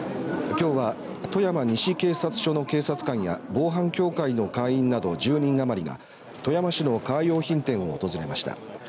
きょうは富山西警察署の警察官や防犯教員の会員など１０人余りが富山市のカー用品店を訪れました。